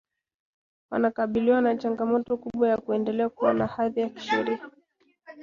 wanakabiliwa na changamoto kubwa ya kuendelea kuwa na hadhi ya kisheria